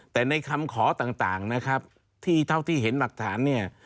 แต่ในคำขอต่างนะครับที่เท่าที่เห็นหลักฐานเนี่ย